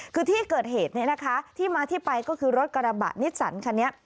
คือที่เกิดเหตุเนี่ยนะคะที่มาที่ไปก็คือรถกระบะนิสสันคันนี้